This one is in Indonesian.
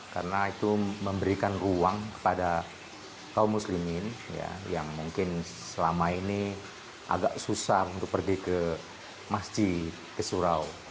karena itu memberikan ruang kepada kaum muslim ini yang mungkin selama ini agak susah untuk pergi ke masjid ke surau